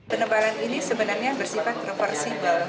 penebalan ini sebenarnya bersifat proporsible